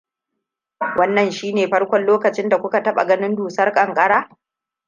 Wannan shine farkon lokacin da kuka taɓa ganin dusar ƙanƙara?